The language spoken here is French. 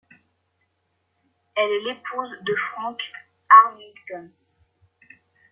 Elle est l'épouse de Frank Armington.